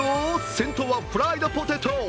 先頭はフライドポテト。